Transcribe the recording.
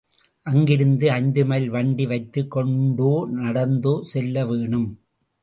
அங்கிருந்து ஐந்துமைல் வண்டி வைத்துக் கொண்டோ நடந்தோ செல்ல வேணும்.